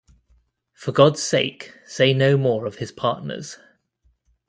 For God's sake, say no more of his partners.